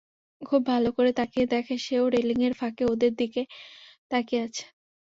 খুব ভালো করে তাকিয়ে দেখে সেও রেলিঙের ফাঁকে ওদের দিকে তাকিয়ে আছে।